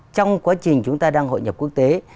trong quá trình chúng ta đang hội nhập quốc tế